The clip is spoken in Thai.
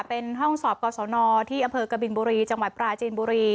เป็นห้องสอบกศนที่อำเภอกบินบุรีจังหวัดปราจีนบุรี